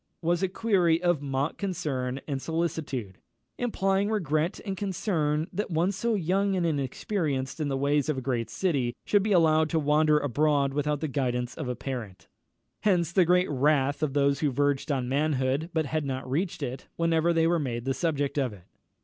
_" was a query of mock concern and solicitude, implying regret and concern that one so young and inexperienced in the ways of a great city should be allowed to wander abroad without the guidance of a parent. Hence the great wrath of those who verged on manhood, but had not reached it, whenever they were made the subject of it.